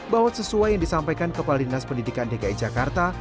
bahwa sesuai yang disampaikan kepala dinas pendidikan dki jakarta